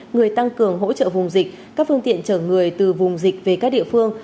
người tăng cường hỗ trợ vùng dịch các phương tiện chở người từ vùng dịch về các địa phương